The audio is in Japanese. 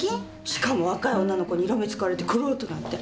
しかも若い女の子に色目使われてコロッとなんて。